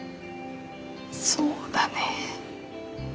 そうだね。